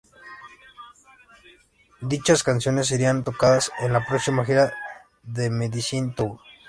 Dichas canciones serían tocadas en la próxima gira, "The Medicine Tour".